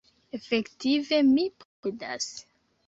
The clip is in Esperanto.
Efektive mi posedas.